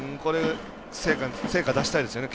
成果出したいですよね